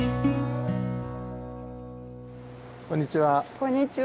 こんにちは。